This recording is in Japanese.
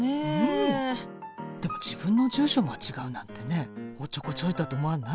でも自分の住所を間違うなんてねおっちょこちょいだと思わない？